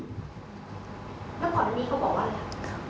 แล้วพอร์ตนี้เขาบอกว่าอะไร